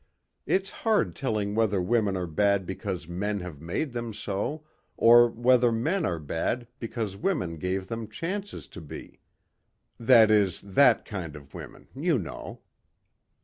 It's hard telling whether women are bad because men have made them so or whether men are bad because women give them chances to be. That is, that kind of women, you know."